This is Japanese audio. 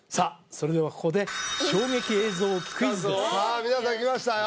それではここで衝撃映像クイズですさあ皆さんきましたよ